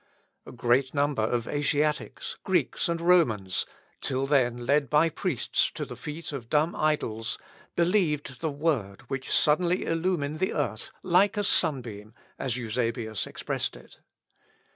A great number of Asiatics, Greeks, and Romans, till then led by priests to the feet of dumb idols, believed the Word which suddenly illumined the earth "like a sunbeam," as Eusebius expresses it.